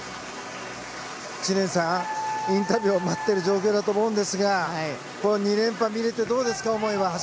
知念さん、インタビューを待っている状況だと思いますが２連覇を見れてどうですか思いは。